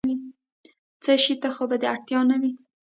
څه شي ته خو به دې اړتیا نه وي؟